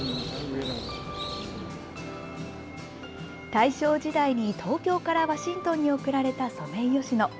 大正時代に東京からワシントンに贈られたソメイヨシノ。